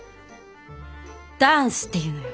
ダンスっていうのよ。